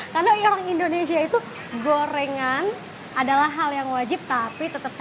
karena orang indonesia itu gorengan adalah hal yang wajib tapi tetap sehat juga